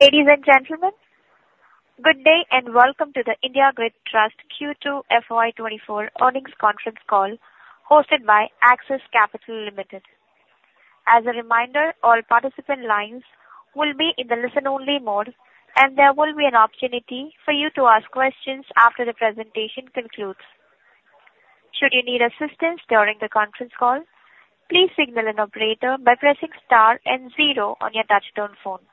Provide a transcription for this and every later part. Ladies and gentlemen, good day, and welcome to the IndiGrid Trust Q2 FY24 Earnings Conference Call, hosted by Axis Capital Limited. As a reminder, all participant lines will be in the listen-only mode, and there will be an opportunity for you to ask questions after the presentation concludes. Should you need assistance during the conference call, please signal an operator by pressing star and zero on your touchtone phone.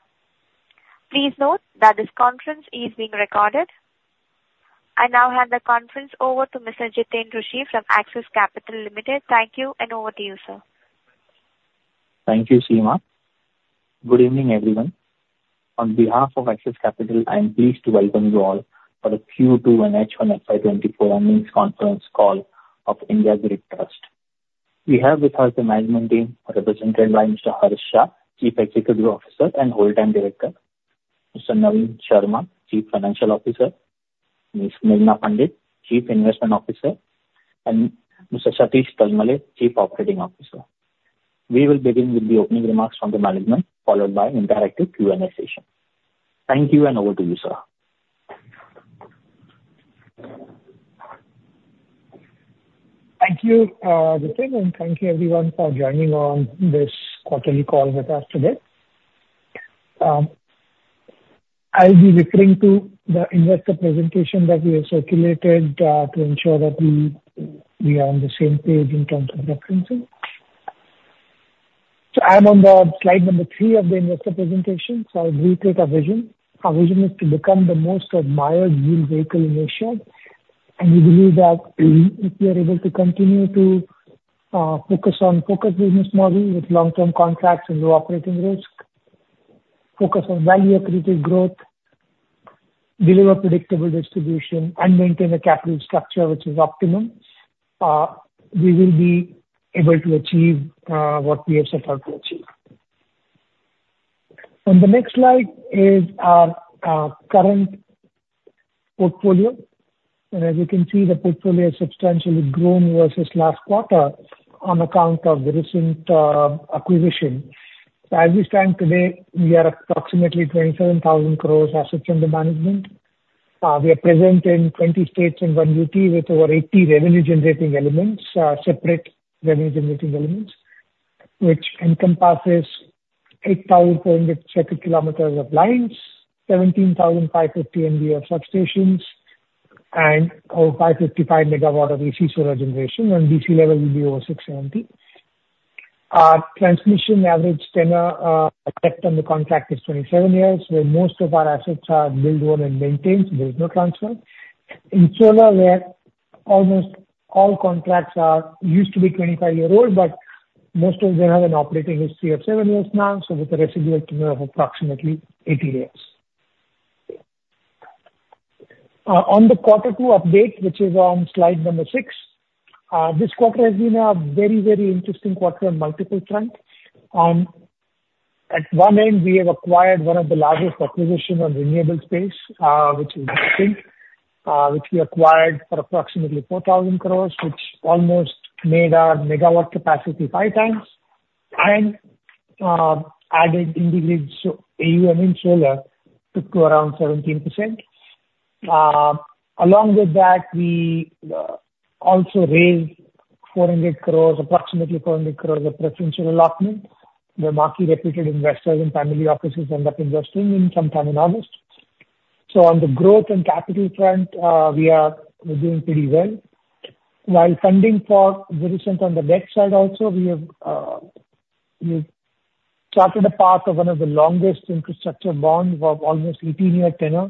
Please note that this conference is being recorded. I now hand the conference over to Mr. Jiten Rushi from Axis Capital Limited. Thank you, and over to you, sir. Thank you, Seema. Good evening, everyone. On behalf of Axis Capital, I'm pleased to welcome you all for the Q2 and H1 FY 2024 earnings conference call of IndiGrid Trust. We have with us the management team, represented by Mr. Harsh Shah, Chief Executive Officer and Whole-Time Director, Mr. Navin Sharma, Chief Financial Officer, Ms. Meghana Pandit, Chief Investment Officer, and Mr. Satish Talmale, Chief Operating Officer. We will begin with the opening remarks from the management, followed by an interactive Q&A session. Thank you, and over to you, sir. Thank you, Jiten, and thank you everyone for joining on this quarterly call with us today. I'll be referring to the investor presentation that we have circulated, to ensure that we, we are on the same page in terms of referencing. So I'm on the slide number three of the investor presentation, so I'll reiterate our vision. Our vision is to become the most admired yield vehicle in Asia, and we believe that if we are able to continue to, focus on focused business model with long-term contracts and low operating risk, focus on value accretive growth, deliver predictable distribution, and maintain a capital structure which is optimum, we will be able to achieve, what we have set out to achieve. On the next slide is our, current portfolio. As you can see, the portfolio has substantially grown versus last quarter on account of the recent acquisition. As we stand today, we are approximately 27,000 crore assets under management. We are present in 20 states and 1 UT with over 80 revenue-generating elements, separate revenue-generating elements, which encompasses 8,400 circuit kilometers of lines, 17,550 MVA substations, and over 555 MW of AC solar generation, and DC level will be over 670. Our transmission average tenure effect on the contract is 27 years, where most of our assets are built, owned, and maintained, so there's no transfer. In solar, we have almost all contracts are used to be 25-year-old, but most of them have an operating history of seven years now, so with a residual tenure of approximately 18 years. On the quarter two update, which is on slide number 6, this quarter has been a very, very interesting quarter on multiple fronts. At one end, we have acquired one of the largest acquisitions in the renewable space, which is Virescent, which we acquired for approximately 4,000 crore, which almost made our megawatt capacity 5x and added in the grid, even in solar, took to around 17%. Along with that, we also raised 400 crore, approximately 400 crore of preferential allotment, where marquee reputed investors and family offices end up investing in sometime in August. On the growth and capital front, we are doing pretty well. While funding for recent on the debt side also, we have, we've charted a path of one of the longest infrastructure bond of almost 18-year tenure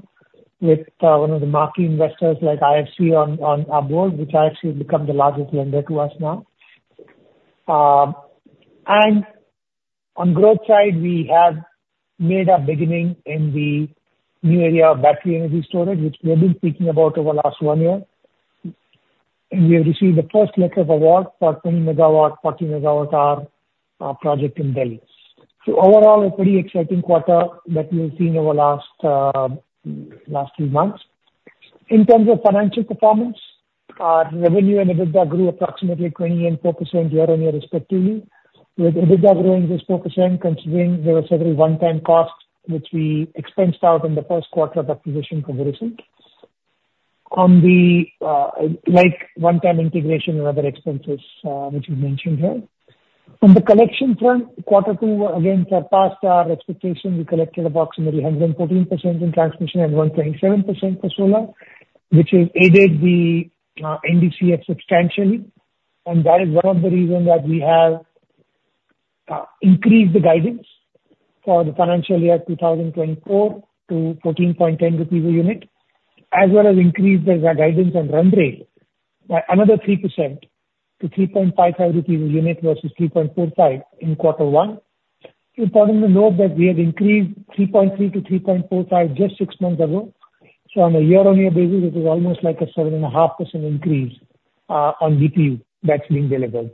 with, one of the marquee investors like IFC on, on our board, which IFC has become the largest lender to us now. And on growth side, we have made a beginning in the new area of battery energy storage, which we've been speaking about over last one year, and we have received the first letter of award for 10 MW, 14 MWh project in Delhi. So overall, a pretty exciting quarter that we've seen over last, last few months. In terms of financial performance, our revenue and EBITDA grew approximately 20% and 4% year-on-year respectively, with EBITDA growing just 4%, considering there are several one-time costs which we expensed out in the first quarter of acquisition from the recent. On the, like, one-time integration and other expenses, which we mentioned here. On the collection front, Quarter 2, again, surpassed our expectations. We collected approximately 114% in transmission and 127% for solar, which has aided the NDCF substantially, and that is one of the reasons that we have increased the guidance for the financial year 2024 to 14.10 rupees a unit, as well as increased the guidance on run rate by another 3% to 3.55 rupees a unit versus 3.45 in Quarter 1. It's important to note that we have increased 3.3-3.45 just six months ago, so on a year-over-year basis, it is almost like a 7.5% increase on GPU that's being delivered.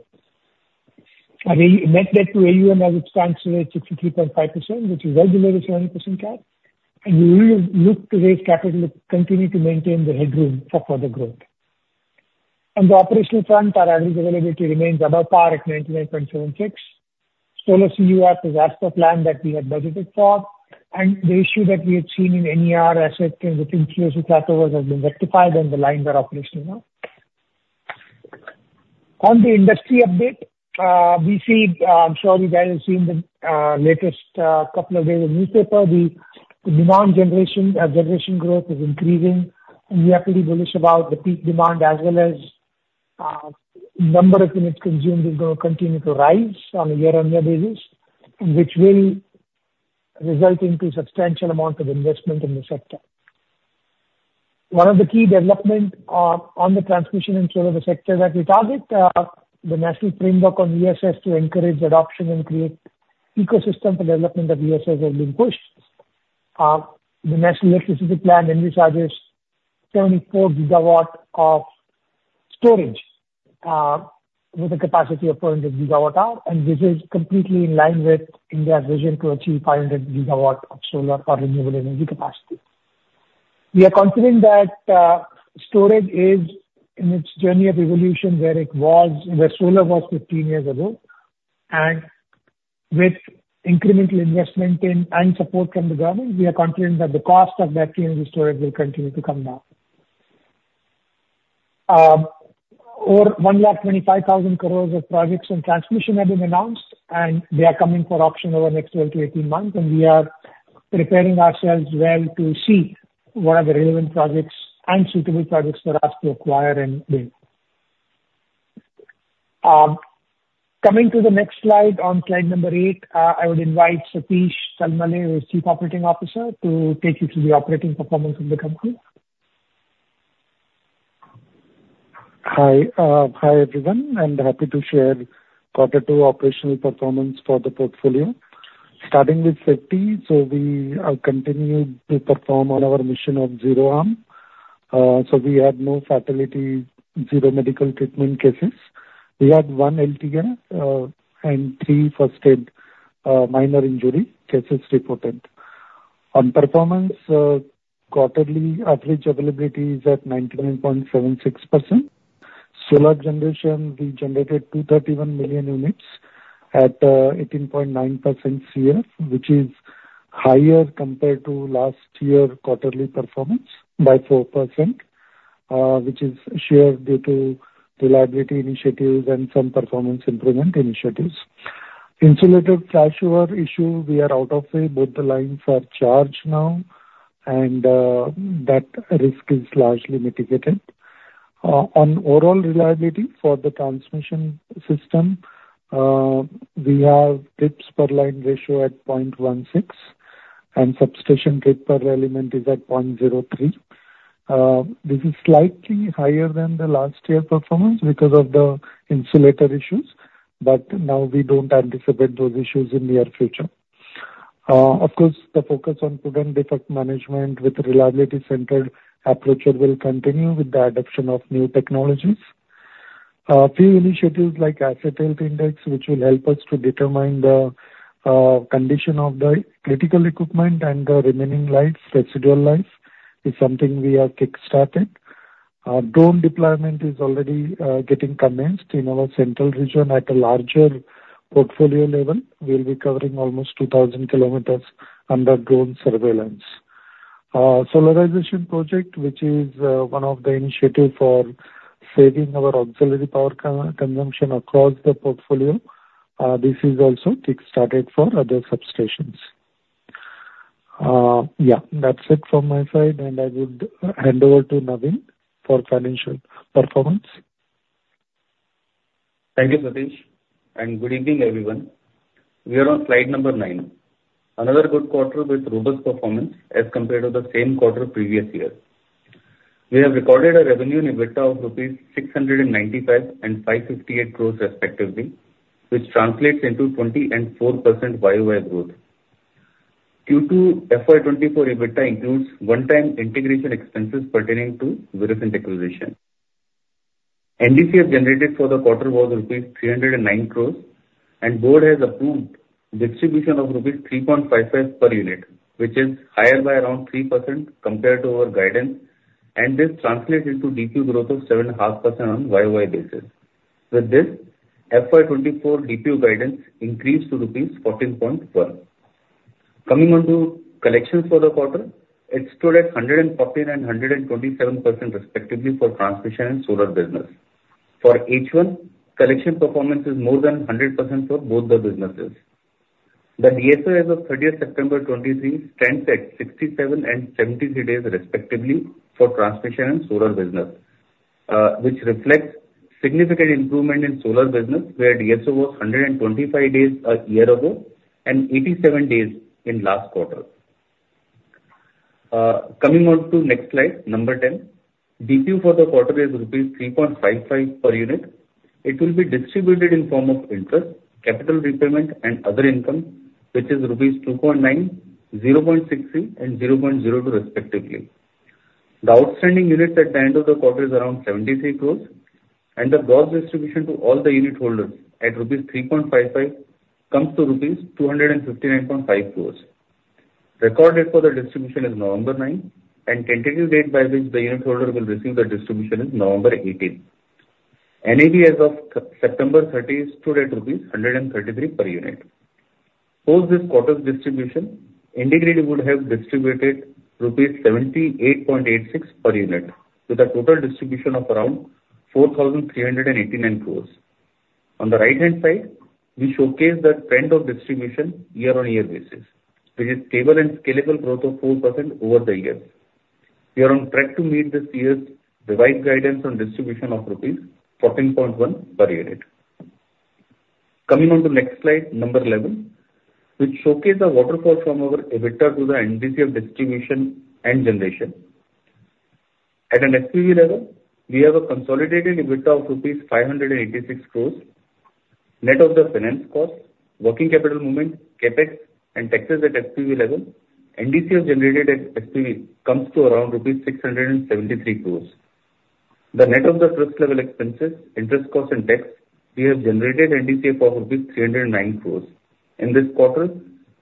Our net debt to AUM as it stands today, 63.5%, which is well below the 70% cap, and we will look to raise capital to continue to maintain the headroom for further growth. On the operational front, our availability remains above par at 99.76%. Solar CUF is as per plan that we had budgeted for, and the issue that we had seen in NER assets within [inaudible] has been rectified, and the lines are operational now. On the industry update, we see, I'm sure you guys have seen the latest couple of days of newspaper. The demand generation, generation growth is increasing, and we are pretty bullish about the peak demand as well as, number of units consumed is going to continue to rise on a year-on-year basis, which will result into substantial amount of investment in the sector. One of the key development, on the transmission and solar sector that we target, the national framework on ESS to encourage adoption and create ecosystem for development of ESS has been pushed. The national electricity plan only charges 74 GW of storage, with a capacity of 400 GWh, and this is completely in line with India's vision to achieve 500 GW of solar for renewable energy capacity. We are confident that, storage is in its journey of evolution, where solar was 15 years ago, and with incremental investment in, and support from the government, we are confident that the cost of battery and storage will continue to come down. Over 125,000 crore of projects and transmission have been announced, and they are coming for auction over the next 12-18 months, and we are preparing ourselves well to see what are the relevant projects and suitable projects for us to acquire and build. Coming to the next slide, on slide number 8, I would invite Satish Talmale, who is Chief Operating Officer, to take you through the operating performance of the company. Hi, hi, everyone, and happy to share quarter two operational performance for the portfolio. Starting with safety, we continued to perform on our mission of zero harm. We had no fatality, zero medical treatment cases. We had one LTI, and three first aid, minor injury cases reported. On performance, quarterly average availability is at 99.76%. Solar generation, we generated 231 million units at 18.9% CUF, which is higher compared to last year's quarterly performance by 4%, which is shared due to reliability initiatives and some performance improvement initiatives. Insulator flashover issue, we are out of the way. Both the lines are charged now, and that risk is largely mitigated. On overall reliability for the transmission system, we have trips per line ratio at 0.16, and substation trip per element is at 0.03. This is slightly higher than the last year performance because of the insulator issues, but now we don't anticipate those issues in near future. Of course, the focus on prudent defect management with reliability-centered approach will continue with the adoption of new technologies. A few initiatives like Asset Health Index, which will help us to determine the condition of the critical equipment and the remaining life, residual life, is something we have kickstarted. Drone deployment is already getting commenced in our central region at a larger portfolio level. We'll be covering almost 2,000 kilometers under drone surveillance. Solarization project, which is one of the initiatives for saving our auxiliary power consumption across the portfolio, this is also kickstarted for other substations. Yeah, that's it from my side, and I would hand over to Navin for financial performance. Thank you, Satish, and good evening, everyone. We are on slide number 9. Another good quarter with robust performance as compared to the same quarter previous year. We have recorded a revenue in EBITDA of rupees 695 crores and 558 crores respectively, which translates into 24% year-over-year growth. Q2 FY 2024 EBITDA includes one-time integration expenses pertaining to Virescent acquisition. NDCF generated for the quarter was rupees 309 crores, and board has approved distribution of rupees 3.55 per unit, which is higher by around 3% compared to our guidance, and this translates into DPU growth of 7.5% on year-over-year basis. With this, FY 2024 DPU guidance increased to rupees 14.1. Coming on to collections for the quarter, it stood at 115% and 127% respectively for transmission and solar business. For H1, collection performance is more than 100% for both the businesses. The DSO as of 30 September 2023 stands at 67 and 73 days, respectively, for transmission and solar business, which reflects significant improvement in solar business, where DSO was 125 days a year ago and 87 days in last quarter. Coming on to next slide, number 10. DPU for the quarter is rupees 3.55 per unit. It will be distributed in form of interest, capital repayment, and other income, which is rupees 2.9, 0.63, and 0.02 respectively. The outstanding units at the end of the quarter is around 73 crore, and the gross distribution to all the unitholders at rupees 3.55 comes to rupees 259.5 crore. The record date for the distribution is November ninth, and tentative date by which the unitholder will receive the distribution is November eighteenth. NAV as of September thirtieth stood at rupees 133 per unit. Post this quarter's distribution, IndiGrid would have distributed rupees 78.86 per unit, with a total distribution of around 4,389 crore. On the right-hand side, we showcase the trend of distribution year-on-year basis, with a stable and scalable growth of 4% over the years. We are on track to meet this year's revised guidance on distribution of rupees 14.1 per unit. Coming on to next slide, number 11, which showcase the waterfall from our EBITDA to the NDCF distribution and generation. At an SPV level, we have a consolidated EBITDA of rupees 586 crores, net of the finance cost, working capital movement, CapEx, and taxes at SPV level. NDCF generated at SPV comes to around 673 crores rupees. The net of the Infrastructure Investment Trust (InvIT) level expenses, interest cost and tax, we have generated NDCF of rupees 309 crores. In this quarter,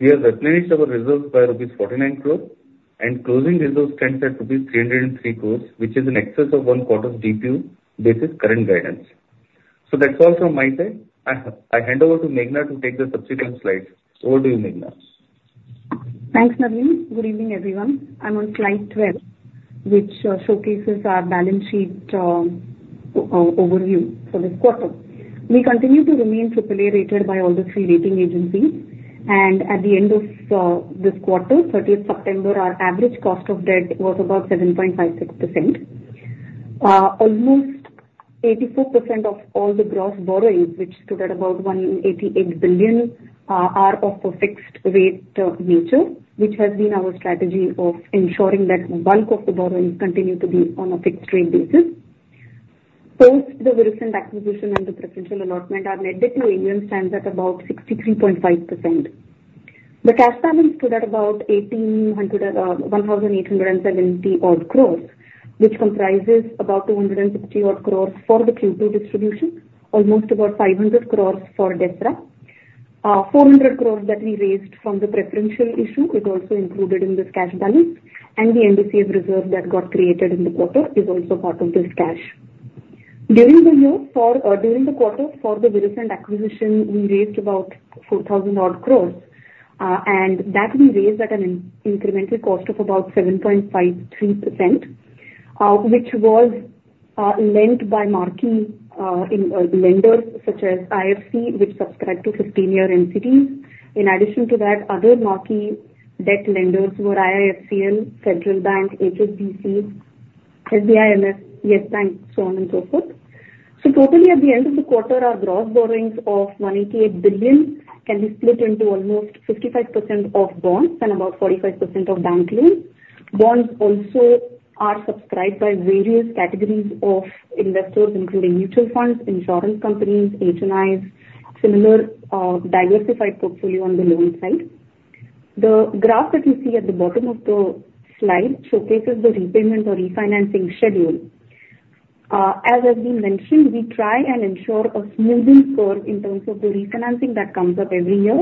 we have replenished our reserves by rupees 49 crore, and closing reserves stands at rupees 303 crores, which is in excess of one quarter's DPU, based current guidance. So that's all from my side. I, I hand over to Meghana to take the subsequent slides. Over to you, Meghana. Thanks, Navin. Good evening, everyone. I'm on slide 12, which showcases our balance sheet overview for this quarter. We continue to remain AAA rated by all the three rating agencies, and at the end of this quarter, thirtieth September, our average cost of debt was about 7.56%. Almost 84% of all the gross borrowings, which stood at about 188 billion, are of a fixed rate nature, which has been our strategy of ensuring that bulk of the borrowings continue to be on a fixed rate basis. Post the recent acquisition and the preferential allotment, our net debt to AUM stands at about 63.5%. The cash balance stood at about 1,800, 1,870 odd crores, which comprises about 250 odd crores for the Q2 distribution, almost about 500 crores for DSRA. Four hundred crores that we raised from the preferential issue is also included in this cash balance, and the NDCF reserve that got created in the quarter is also part of this cash. During the quarter, for the recent acquisition, we raised about 4,000 odd crores, and that we raised at an incremental cost of about 7.53%, which was lent by marquee lenders such as IFC, which subscribed to 15-year NCDs. In addition to that, other marquee debt lenders were IIFCL, Central Bank, HSBC, SBI MF, Yes Bank, so on and so forth. Totally, at the end of the quarter, our gross borrowings of 188 billion can be split into almost 55% of bonds and about 45% of bank loans. Bonds also are subscribed by various categories of investors, including mutual funds, insurance companies, HNIs, similar, diversified portfolio on the loan side. The graph that you see at the bottom of the slide showcases the repayment or refinancing schedule. As has been mentioned, we try and ensure a smoothing curve in terms of the refinancing that comes up every year,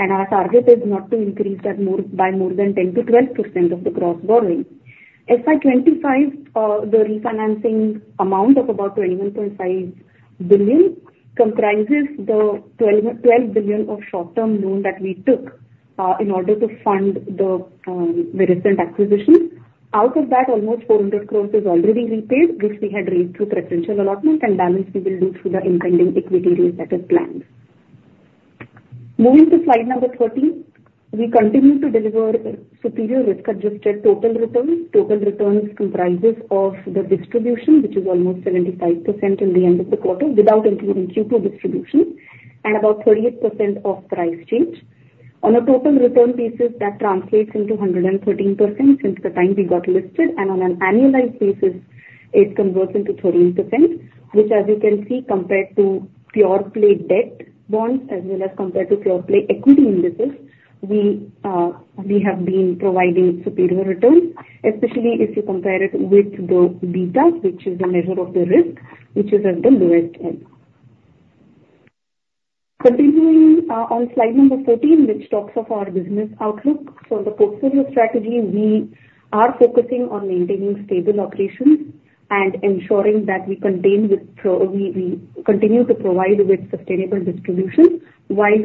and our target is not to increase that more, by more than 10%-12% of the gross borrowing. FY 2025, the refinancing amount of about 21.5 billion comprises the 12 billion of short-term loan that we took in order to fund the recent acquisition. Out of that, almost 400 crore is already repaid, which we had raised through preferential allotment, and balance we will do through the impending equity raise that is planned. Moving to slide number 13. We continue to deliver superior risk-adjusted total returns. Total returns comprises of the distribution, which is almost 75% in the end of the quarter, without including Q2 distribution, and about 38% of price change. On a total return basis, that translates into 113% since the time we got listed, and on an annualized basis, it converts into 13%, which, as you can see, compared to pure play debt bonds as well as compared to pure play equity indices, we, we have been providing superior returns, especially if you compare it with the beta, which is the measure of the risk, which is at the lowest end. Continuing, on slide number 14, which talks of our business outlook. For the portfolio strategy, we are focusing on maintaining stable operations and ensuring that we continue to provide with sustainable distribution while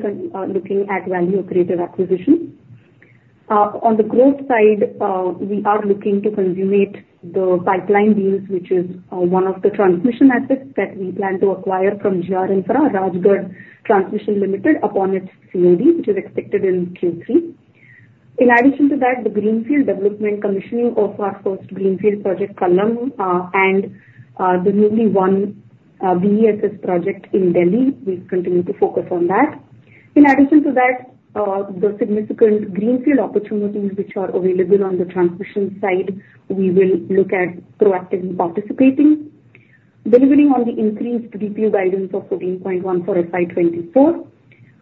looking at value accretive acquisition. On the growth side, we are looking to consummate the pipeline deals, which is one of the transmission assets that we plan to acquire from G R Infraprojects Limited (GRIL), Rajgarh Transmission Ltd (RTL), upon its COD, which is expected in Q3. In addition to that, the greenfield development commissioning of our first greenfield project, Kallam Transmission Limited (KTL), and the newly won BESS project in Delhi, we continue to focus on that. In addition to that, the significant greenfield opportunities which are available on the transmission side, we will look at proactively participating. Delivering on the increased DPU guidance of 14.1 for FY 2024,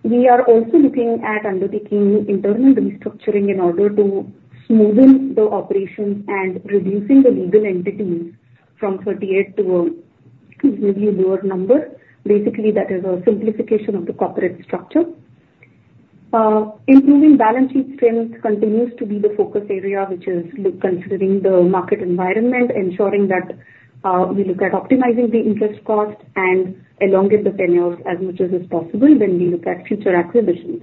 we are also looking at undertaking internal restructuring in order to smoothen the operations and reducing the legal entities from 38 to. It may be a lower number. Basically, that is a simplification of the corporate structure. Improving balance sheet strength continues to be the focus area, which is considering the market environment, ensuring that we look at optimizing the interest cost and elongate the tenures as much as is possible when we look at future acquisitions.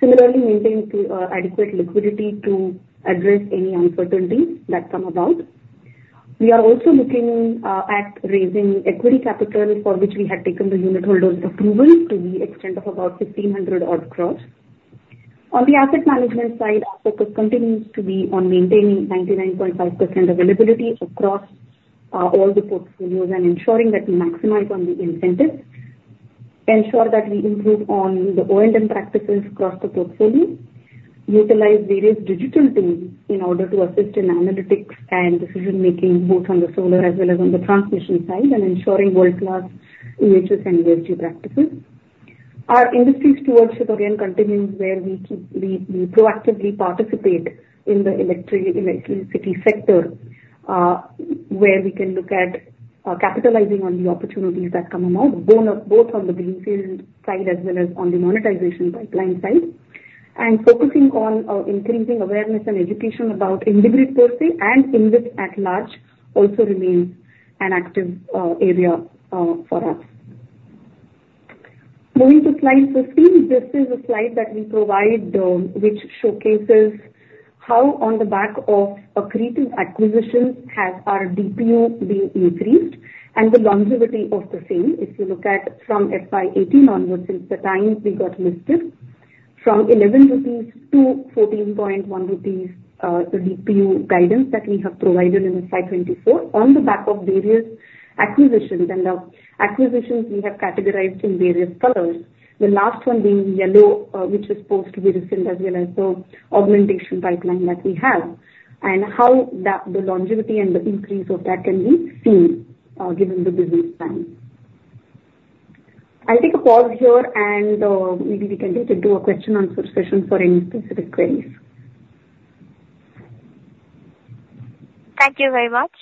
Similarly, maintain adequate liquidity to address any uncertainties that come about. We are also looking at raising equity capital, for which we had taken the unit holders' approval to the extent of about 1,500 crores. On the asset management side, our focus continues to be on maintaining 99.5% availability across all the portfolios and ensuring that we maximize on the incentives, ensure that we improve on the O&M practices across the portfolio, utilize various digital tools in order to assist in analytics and decision-making, both on the solar as well as on the transmission side, and ensuring world-class EHS and ESG practices. Our initiatives towards continuing where we keep we proactively participate in the electricity sector, where we can look at capitalizing on the opportunities that come about, both on the greenfield side as well as on the monetization pipeline side. And focusing on increasing awareness and education about IndiGrid per se and IndiGrid at large also remains an active area for us. Moving to slide 15, this is a slide that we provide, which showcases how, on the back of accretive acquisitions, has our DPU been increased and the longevity of the same. If you look at from FY 2018 onwards, since the time we got listed, from 11 rupees to 14.1 rupees, DPU guidance that we have provided in FY 2024 on the back of various acquisitions. And the acquisitions we have categorized in various colors, the last one being yellow, which is supposed to be the same as well as the augmentation pipeline that we have, and how that, the longevity and the increase of that can be seen, given the business plan. I'll take a pause here, and maybe we can get into a question and answer session for any specific queries. Thank you very much.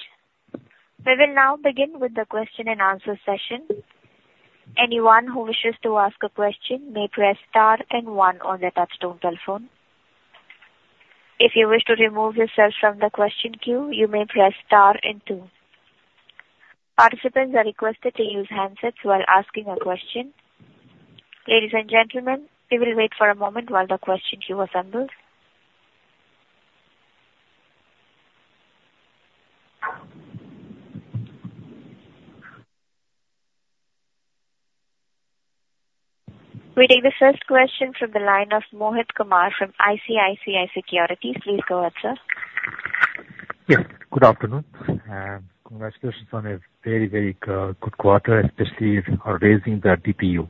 We will now begin with the question and answer session. Anyone who wishes to ask a question may press star and one on their touchtone telephone. If you wish to remove yourself from the question queue, you may press star and two. Participants are requested to use handsets while asking a question. Ladies and gentlemen, we will wait for a moment while the question queue assembles. We take the first question from the line of Mohit Kumar from ICICI Securities. Please go ahead, sir. Yes, good afternoon, and congratulations on a very, very good quarter, especially for raising the DPU.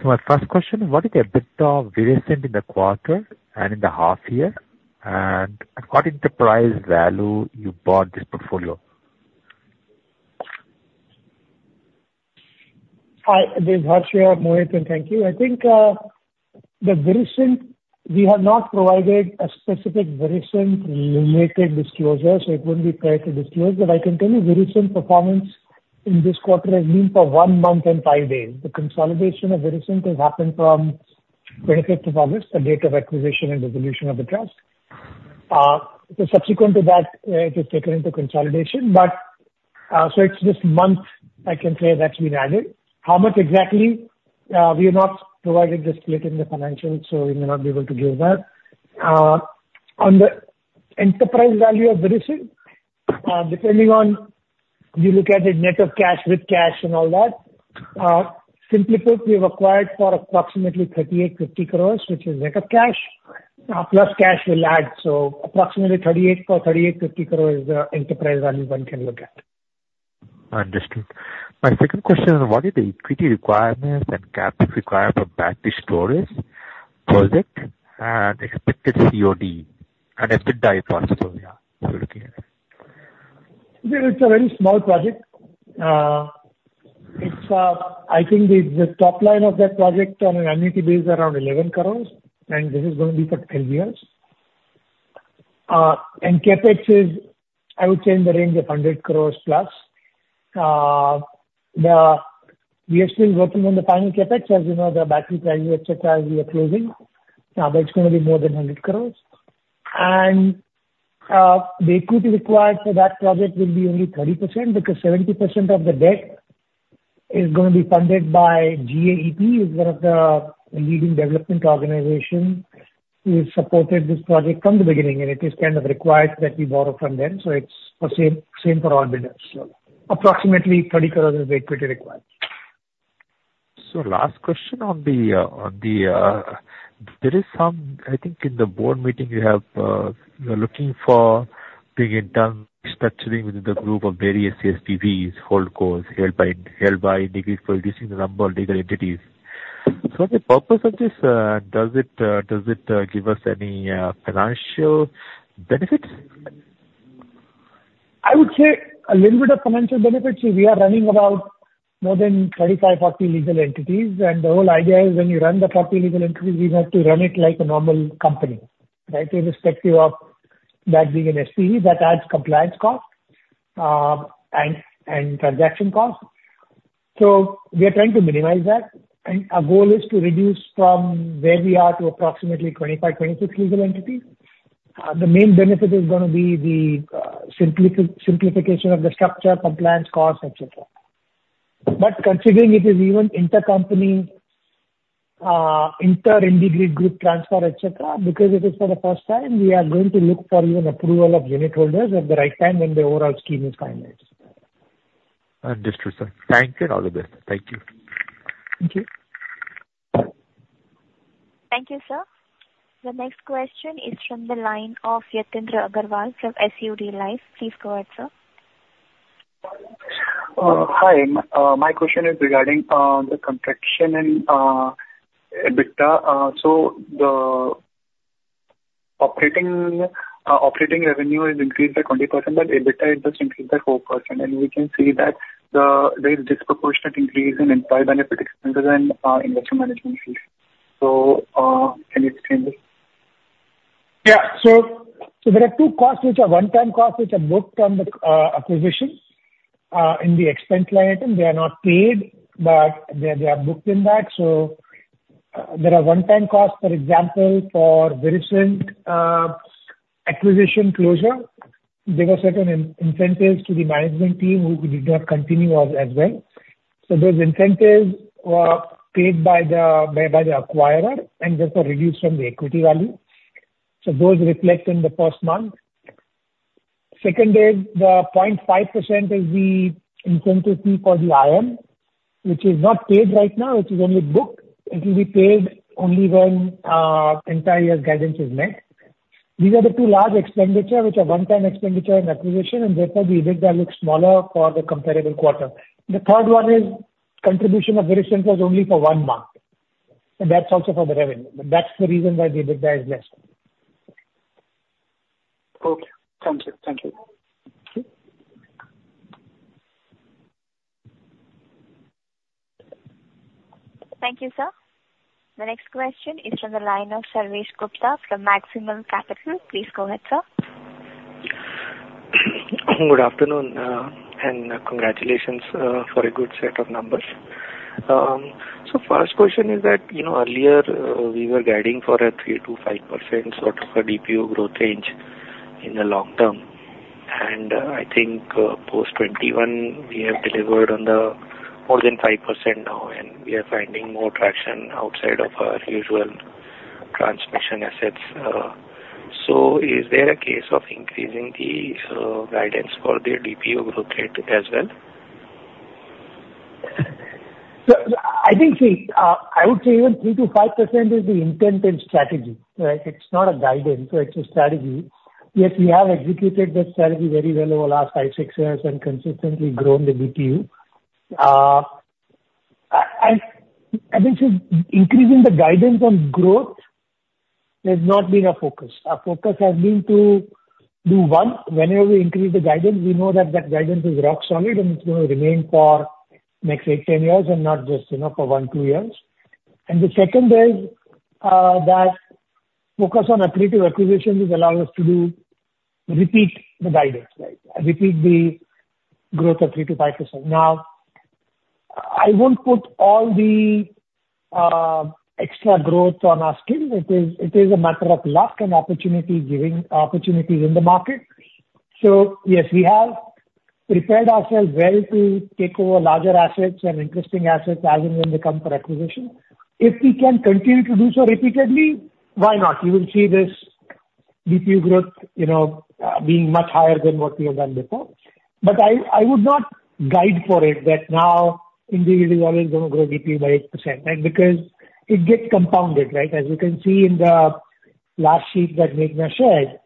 So my first question: What is the EBITDA variation in the quarter and in the half year? And at what enterprise value you bought this portfolio? Hi, this is Harsh, Mohit, and thank you. I think, the variation, we have not provided a specific variation-related disclosure, so it wouldn't be fair to disclose. But I can tell you the recent performance in this quarter has been for one month and five days. The consolidation of Virescent has happened from 25th of August, the date of acquisition and resolution of the trust. So subsequent to that, it is taken into consolidation. But, so it's this month I can say that's been added. How much exactly? We have not provided the split in the financials, so we may not be able to give that. On the enterprise value of the recent, depending on you look at it, net of cash with cash and all that, simply put, we have acquired for approximately 3,850 crore, which is net of cash, plus cash will add, so approximately 3,800 or 3,850 crore is the enterprise value one can look at. Understood. My second question is: What are the equity requirements and capital required for battery storage project and expected COD and EBITDA, if possible, yeah, for looking at it? It's a very small project. It's I think the top line of that project on an annuity basis around 11 crore, and this is going to be for 12 years. And CapEx is, I would say, in the range of 100 crore+. We are still working on the final CapEx. As you know, the battery value, et cetera, we are closing, but it's gonna be more than 100 crore. The equity required for that project will be only 30%, because 70% of the debt is gonna be funded by GEAPP, is one of the leading development organizations who have supported this project from the beginning, and it is kind of required that we borrow from them, so it's the same, same for all bidders. So approximately 30 crore is the equity required. So last question on the, there is some... I think in the board meeting you have, you are looking for doing a debt structuring within the group of various SPVs, hold co's, held by, held by IndiGrid, reducing the number of legal entities. So what's the purpose of this? Does it give us any financial benefits? I would say a little bit of financial benefit. So we are running about more than 35-40 legal entities, and the whole idea is when you run the 40 legal entities, we have to run it like a normal company, right? Irrespective of- That being an SPE, that adds compliance costs, and transaction costs. So we are trying to minimize that, and our goal is to reduce from where we are to approximately 25, 26 legal entities. The main benefit is gonna be the simplification of the structure, compliance costs, et cetera. But considering it is even intercompany, inter-integrated group transfer, et cetera, because it is for the first time, we are going to look for even approval of unit holders at the right time when the overall scheme is finalized. Understood, sir. Thank you, and all the best. Thank you. Thank you. Thank you, sir. The next question is from the line of Yatendra Agarwal from Sundaram Life. Please go ahead, sir. Hi. My question is regarding the contraction in EBITDA. So the operating revenue is increased by 20%, but EBITDA is just increased by 4%, and we can see that there is disproportionate increase in employee benefit expenses and investment management fees. So, can you explain this? Yeah. So, so there are two costs, which are one-time costs, which are booked on the acquisition. In the expense line item, they are not paid, but they, they are booked in that. So, there are one-time costs, for example, for Virescent acquisition closure. There were certain incentives to the management team who did not continue on as well. So those incentives were paid by the, by, by the acquirer, and those were reduced from the equity value, so those reflect in the first month. Second is the 0.5% is the incentive fee for the IM, which is not paid right now, it is only booked. It will be paid only when entire year's guidance is met. These are the two large expenditure which are one-time expenditure and acquisition, and therefore, the EBITDA looks smaller for the comparable quarter. The third one is contribution of Virescent was only for one month, and that's also for the revenue, but that's the reason why the EBITDA is less. Okay. Thank you. Thank you. Okay. Thank you, sir. The next question is from the line of Sarvesh Gupta from Maximal Capital. Please go ahead, sir. Good afternoon and congratulations for a good set of numbers. So first question is that, you know, earlier, we were guiding for a 3%-5% sort of a DPU growth range in the long term. And I think, post 2021, we have delivered on the more than 5% now, and we are finding more traction outside of our usual transmission assets. So is there a case of increasing the guidance for the DPU growth rate as well? I think, see, I would say even 3%-5% is the intent and strategy, right? It's not a guidance, so it's a strategy. Yes, we have executed that strategy very well over last five, six years and consistently grown the DPU. I think increasing the guidance on growth has not been our focus. Our focus has been to do, one, whenever we increase the guidance, we know that that guidance is rock solid, and it's gonna remain for next eight, 10 years and not just, you know, for one, two years. And the second is, that focus on accretive acquisitions is allow us to do repeat the guidance, right? Repeat the growth of 3%-5%. Now, I won't put all the, extra growth on our skill. It is, it is a matter of luck and opportunity giving opportunities in the market. So yes, we have prepared ourselves well to take over larger assets and interesting assets as and when they come for acquisition. If we can continue to do so repeatedly, why not? You will see this DPU growth, you know, being much higher than what we have done before. But I, I would not guide for it that now IndiGrid is always gonna grow DPU by 8%, and because it gets compounded, right? As you can see in the last sheet that Meghana shared,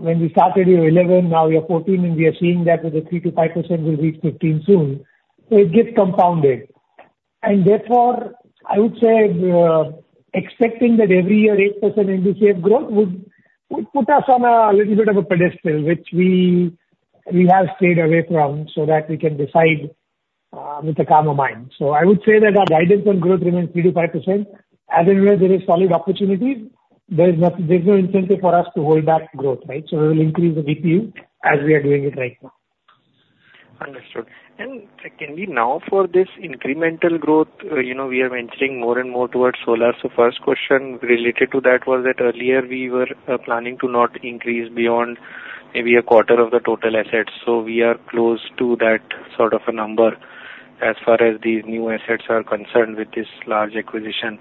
when we started, we were 11, now we are 14, and we are seeing that with the 3%-5%, we'll reach 15 soon. So it gets compounded. Therefore, I would say, expecting that every year, 8% NDCF growth would put us on a little bit of a pedestal, which we have stayed away from so that we can decide with a calmer mind. So I would say that our guidance on growth remains 3%-5%. As and when there is solid opportunity, there is nothing. There's no incentive for us to hold back growth, right? So we will increase the DPU as we are doing it right now. Understood. Can we now for this incremental growth, you know, we are venturing more and more towards solar. First question related to that was that earlier we were planning to not increase beyond maybe a quarter of the total assets. We are close to that sort of a number as far as these new assets are concerned with this large acquisition.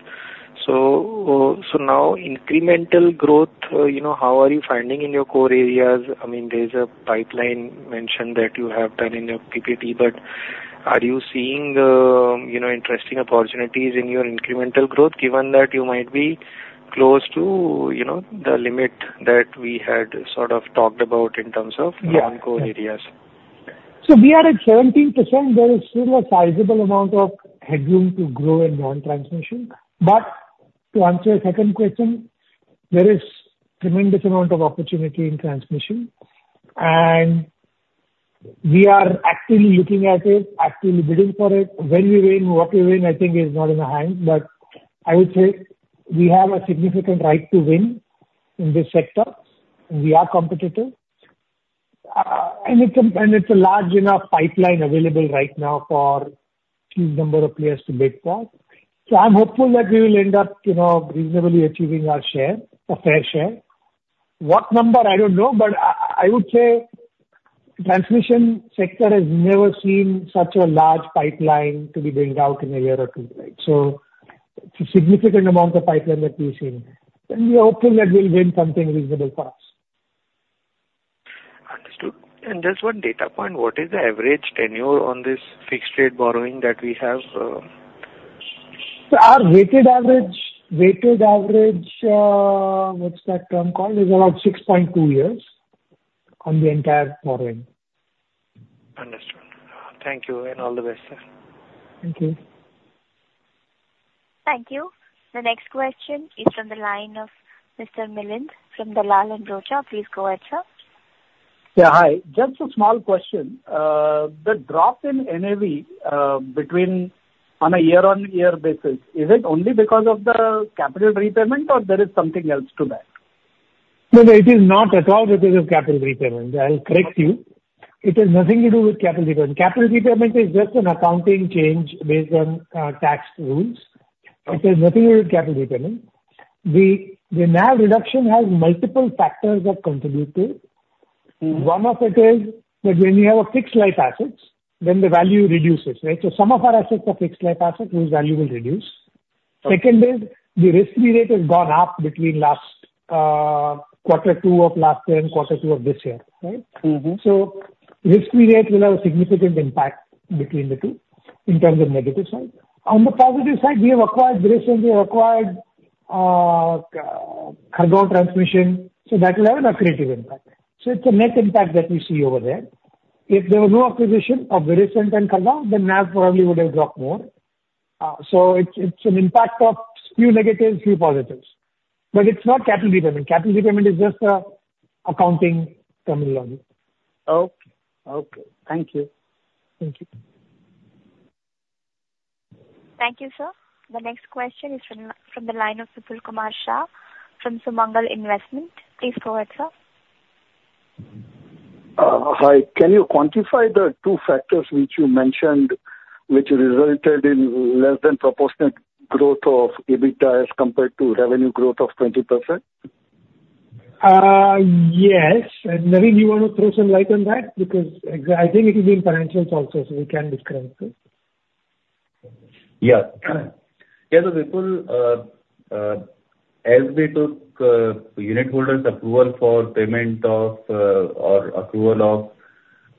So, so now incremental growth, you know, how are you finding in your core areas? I mean, there's a pipeline mentioned that you have done in your PPT, but are you seeing, you know, interesting opportunities in your incremental growth, given that you might be close to, you know, the limit that we had sort of talked about in terms of non-core areas? So we are at 17%. There is still a sizable amount of headroom to grow in non-transmission. But to answer your second question, there is tremendous amount of opportunity in transmission... We are actively looking at it, actively bidding for it. When we win, what we win, I think is not in our hands, but I would say we have a significant right to win in this sector. We are competitive. And it's a, and it's a large enough pipeline available right now for few number of players to bid for. So I'm hopeful that we will end up, you know, reasonably achieving our share, a fair share. What number? I don't know, but I, I would say transmission sector has never seen such a large pipeline to be being out in a year or two, right? So it's a significant amount of pipeline that we've seen, and we are hoping that we'll win something reasonable for us. Understood. Just one data point, what is the average tenure on this fixed rate borrowing that we have? Our weighted average, weighted average, what's that term called? Is about 6.2 years on the entire borrowing. Understood. Thank you, and all the best, sir. Thank you. Thank you. The next question is from the line of Mr. Milind, from Dalal & Broacha. Please go ahead, sir. Yeah, hi. Just a small question. The drop in NAV between on a year-on-year basis, is it only because of the capital repayment or there is something else to that? No, no, it is not at all. It is a capital repayment. I'll correct you. It has nothing to do with capital repayment. Capital repayment is just an accounting change based on tax rules. It has nothing to do with capital repayment. The NAV reduction has multiple factors that contribute to. One of it is that when you have a fixed life assets, then the value reduces, right? So some of our assets are fixed life assets, whose value will reduce. Okay. Second is, the risk-free rate has gone up between last quarter two of last year and quarter two of this year, right? So risk-free rate will have a significant impact between the two, in terms of negative side. On the positive side, we have acquired Virescent, we acquired, Khargone Transmission, so that will have an accretive impact. So it's a net impact that we see over there. If there was no acquisition of Virescent and Khargone, then NAV probably would have dropped more. So it's, it's an impact of few negatives, few positives, but it's not capital repayment. Capital repayment is just an accounting terminology. Okay. Okay. Thank you. Thank you. Thank you, sir. The next question is from the line of Mr. Kumar Shah, from Sumangal Investment. Please go ahead, sir. Hi. Can you quantify the two factors which you mentioned, which resulted in less than proportionate growth of EBITDA as compared to revenue growth of 20%? Yes. Navin, you want to throw some light on that? Because I think it is in financials also, so we can discuss it. Yeah. Yeah, so before, as we took, unitholders approval for payment of, or approval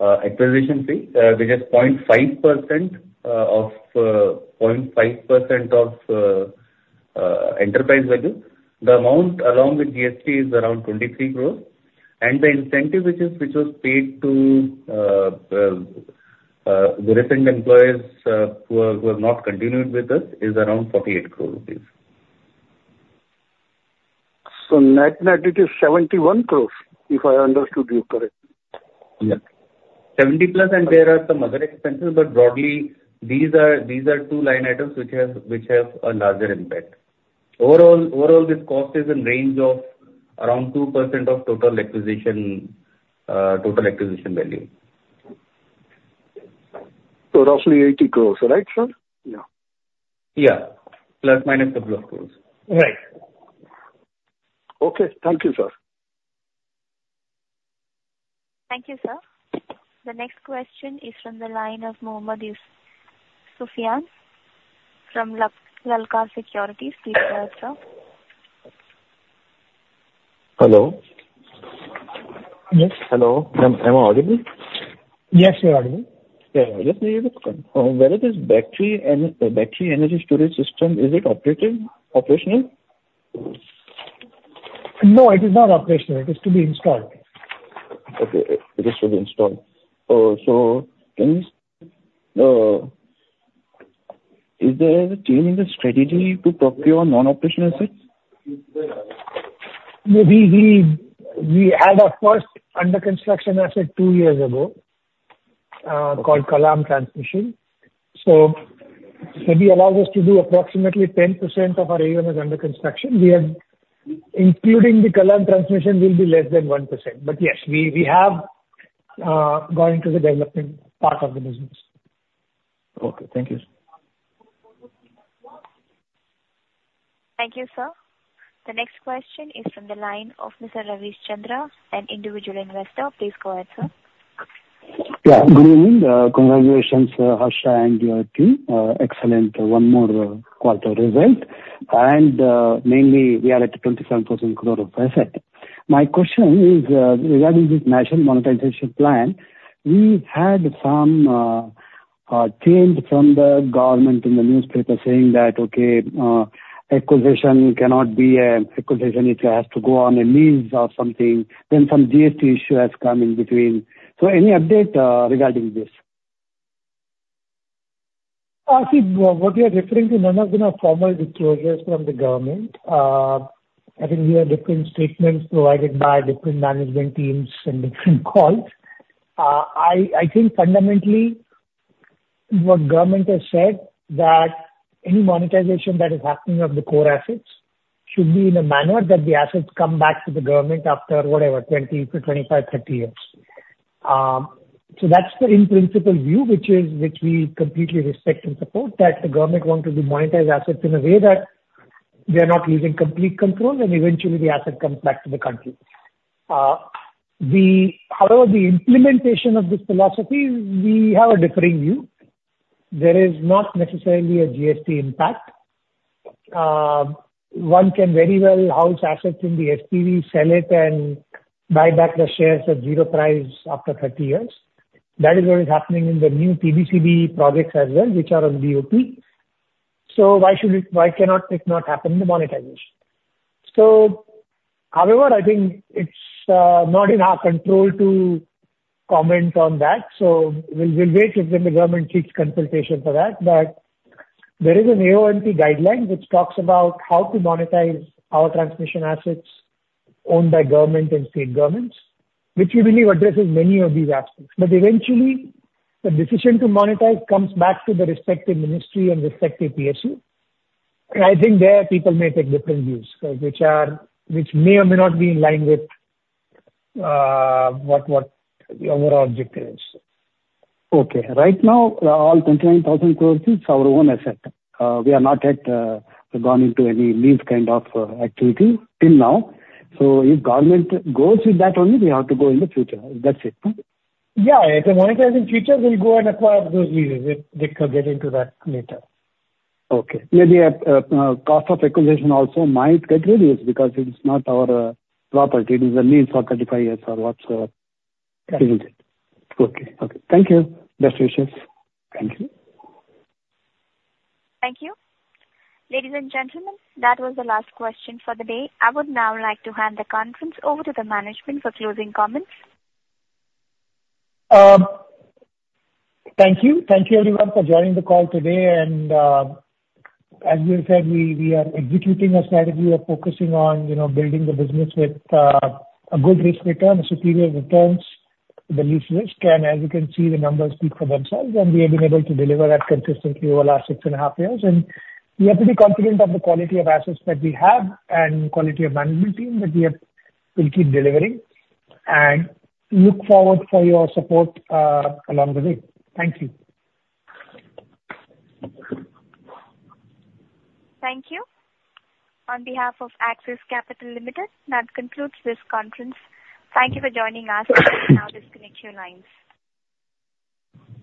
of, acquisition fee, which is 0.5%, of, 0.5% of, enterprise value. The amount along with GST is around 23 crore, and the incentive which is, which was paid to, Virescent employees, who are, who have not continued with us, is around 48 crore rupees. Net, net, it is 71 crore, if I understood you correctly? Yes. 70+, and there are some other expenses, but broadly, these are, these are two line items which have, which have a larger impact. Overall, overall, this cost is in range of around 2% of total acquisition, total acquisition value. Roughly 80 crore, right, sir? Yeah. Yeah, plus, minus a block, of course. Right. Okay. Thank you, sir. Thank you, sir. The next question is from the line of Mohammed Yusufyan from Lakshmi Vilas Securities. Please go ahead, sir. Hello? Yes. Hello, am I audible? Yes, you're audible. Yeah, just a concern whether this battery energy storage system is operational? No, it is not operational. It is to be installed. Okay, it is to be installed. Is there a change in the strategy to procure non-operational assets? We had our first under construction asset two years ago. Okay. Called Kallam Transmission Limited (KTL). So maybe allow us to do approximately 10% of our AUM is under construction. We have, including the Kallam Transmission Limited (KTL), will be less than 1%. But yes, we, we have gone into the development part of the business. Okay. Thank you. Thank you, sir. The next question is from the line of Mr. Ravichandra, an individual investor. Please go ahead, sir. Yeah. Good evening. Congratulations, Harsh and your team. Excellent, one more quarter result. And mainly we are at 27% growth of asset. My question is, regarding this national monetization plan, we had some change from the government in the newspaper saying that, okay, acquisition cannot be an acquisition, it has to go on a lease or something, then some GST issue has come in between. So any update, regarding this? See, what you are referring to none of them are formal disclosures from the government. I think we have different statements provided by different management teams in different calls. I think fundamentally what government has said that any monetization that is happening of the core assets should be in a manner that the assets come back to the government after, whatever, 20 to 25, 30 years. So that's the in-principle view, which is, which we completely respect and support, that the government want to be monetize assets in a way that they are not losing complete control and eventually the asset comes back to the country. However, the implementation of this philosophy, we have a differing view. There is not necessarily a GST impact. One can very well house assets in the SPV, sell it, and buy back the shares at zero price after 30 years. That is what is happening in the new TBCB projects as well, which are on BOT. So why should it, why cannot it not happen in the monetization? So however, I think it's not in our control to comment on that, so we'll, we'll wait until the government seeks consultation for that. But there is an NMP guideline which talks about how to monetize our transmission assets owned by government and state governments, which we believe addresses many of these aspects. But eventually, the decision to monetize comes back to the respective ministry and respective PSU. And I think there people may take different views, which are, which may or may not be in line with what the overall objective is. Okay. Right now, all 29,000 crore is our own asset. We have not yet gone into any lease kind of activity till now. So if government goes with that only, we have to go in the future. That's it, huh? Yeah. If the monetizing features will go and acquire those leases, we, we can get into that later. Okay. Yeah, the cost of acquisition also might get reduced because it is not our property. It is a lease for 35 years or what, so. Correct. Okay. Okay. Thank you. Best wishes. Thank you. Thank you. Ladies and gentlemen, that was the last question for the day. I would now like to hand the conference over to the management for closing comments. Thank you. Thank you everyone for joining the call today, and, as we said, we are executing a strategy of focusing on, you know, building the business with, a good risk return, superior returns, the least risk. And as you can see, the numbers speak for themselves, and we have been able to deliver that consistently over the last six and a half years. And we are pretty confident of the quality of assets that we have and quality of management team that we have. We'll keep delivering and look forward for your support, along the way. Thank you. Thank you. On behalf of Axis Capital Limited, that concludes this conference. Thank you for joining us. You can now disconnect your lines.